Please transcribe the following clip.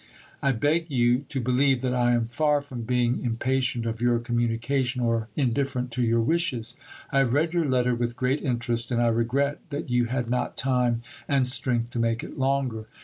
I beg you to believe that I am far from being impatient of your communication or indifferent to your wishes. I have read your letter with great interest, and I regret that you had not time and strength to make it longer.